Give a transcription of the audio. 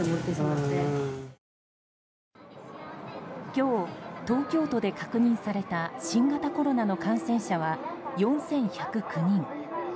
今日、東京都で確認された新型コロナの感染者は４１０９人。